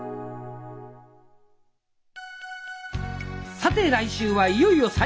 さて来週はいよいよ最終章！